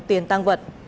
tiền tăng vật